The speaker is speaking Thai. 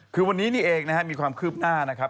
คือวันนี้นี่เองนะครับมีความคืบหน้านะครับ